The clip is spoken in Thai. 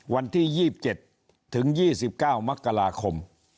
วันที่๒๗ถึง๒๙มกราคม